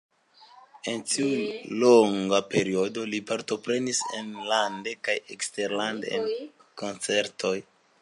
En tiu longa periodo li partoprenis enlande kaj eksterlande en koncertoj.